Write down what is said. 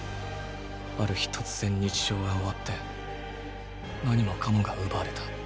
ある日突然日常が終わって何もかもが奪われた。